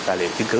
tài liệu chứng cứ